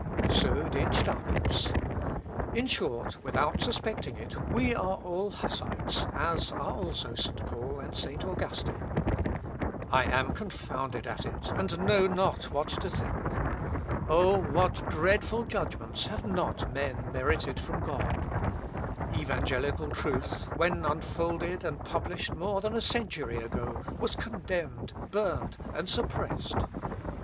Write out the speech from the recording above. So did Staupitz. In short, without suspecting it, we are all Hussites, as are also St. Paul and St. Augustine. I am confounded at it, and know not what to think.... O what dreadful judgments have not men merited from God! Evangelical truth, when unfolded, and published more than a century ago, was condemned, burned, and suppressed....